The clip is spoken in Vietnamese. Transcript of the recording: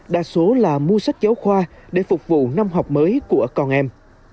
đa số là mua sách giáo khoa để phục vụ năm học mới của con em